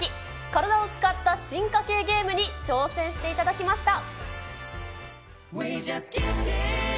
体を使った進化系ゲームに挑戦していただきました。